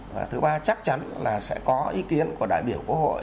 và thứ ba chắc chắn là sẽ có ý kiến của đại biểu quốc hội